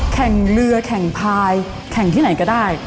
แข่งเรือแข่งพายแข่งที่ไหนก็ได้